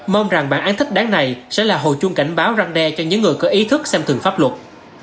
mong rằng bản án thích đáng này sẽ là hồ chung cảnh báo răng đe cho những người có ý thức xem thường pháp luật